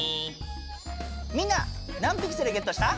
みんな何ピクセルゲットした？